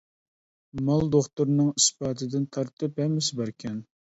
مال دوختۇرنىڭ ئىسپاتىدىن تارتىپ ھەممىسى باركەن.